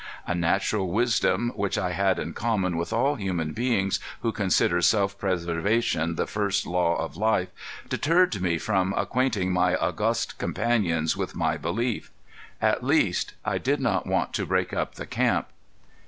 A natural wisdom, which I had in common with all human beings who consider self preservation the first law of life, deterred me from acquainting my august companions with my belief. At least I did not want to break up the camp.